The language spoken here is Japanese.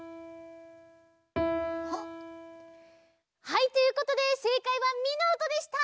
はいということでせいかいはミのおとでした！